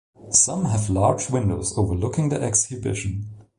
Some have large windows overlooking the exhibition.